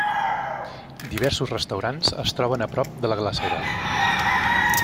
Diversos restaurants es troben a prop de la glacera.